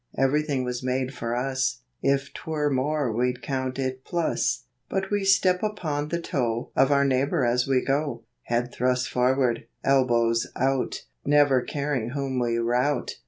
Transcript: Everything was made for us, If 'twere more we'd count it plus. And we step upon the toe Of our neighbor a,s we go, Head thrust forward, elbows out, Never caring whom we rout.